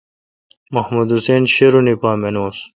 محمد حسین شیرونی پا مانوس۔